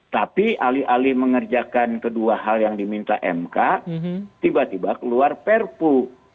tapi alih alih mengerjakan kedua hal yang diminta mk tiba tiba keluar perpu